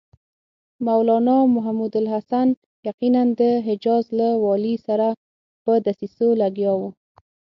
مولنا محمودالحسن یقیناً د حجاز له والي سره په دسیسو لګیا و.